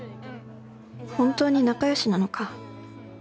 本当に仲良しなのか？